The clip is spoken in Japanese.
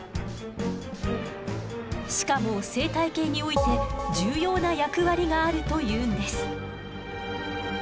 しかも生態系において重要な役割があるというんです。